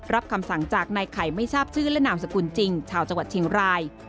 คำสั่งจากนายไข่ไม่ทราบชื่อและนามสกุลจริงชาวจังหวัดเชียงราย